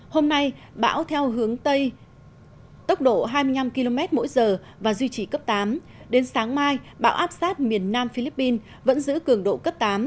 hôm nay bão theo hướng tây tốc độ hai mươi năm km mỗi giờ và duy trì cấp tám đến sáng mai bão áp sát miền nam philippines vẫn giữ cường độ cấp tám